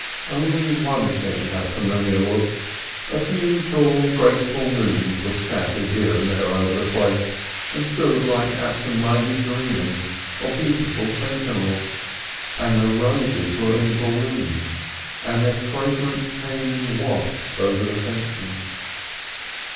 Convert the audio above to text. Only one thing had a familiar look — a few tall, graceful "moons" were scattered here and there over the place, and stood like absent minded dreamers, or beautiful sentinels. And the roses were in bloom, and their fragrance came in wafts over the fencing.